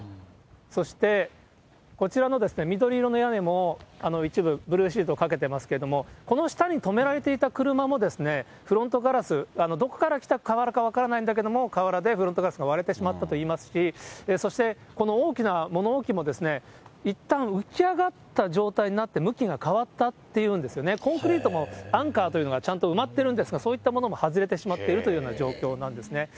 そして、こちらの緑色の屋根も、一部ブルーシートを掛けてますけど、この下に止められていた車も、フロントガラス、どこから来た瓦か分からないんだけれども、瓦でフロントガラスが割れてしまったと言いますし、そして、この大きな物置もいったん浮き上がった状態になって、向きが変わったっていうんですよね、コンクリートも、アンカーというのがちゃんと埋まってるんですが、そういったものも外れてしまっているという状況なんですね。